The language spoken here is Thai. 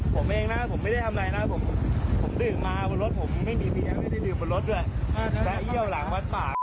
ผมดื่มมาบนรถผมไม่มีเบียงไม่ได้ดื่มบนรถด้วยและเยี่ยวหลังวัดป่า